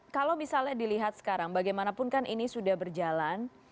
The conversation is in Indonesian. kalau misalnya dilihat sekarang bagaimanapun kan ini sudah berjalan